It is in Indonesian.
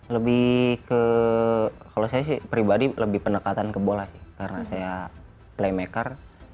lebih ke kalau saya sih pribadi lebih pendekatan ke bola sih karena saya playmaker